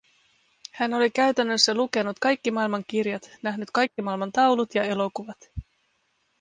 Hän oli käytännössä lukenut kaikki maaliman kirjat, nähnyt kaikki maailman taulut ja elokuvat.